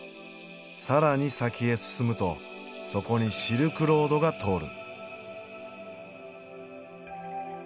更に先へ進むとそこにシルクロードが通る。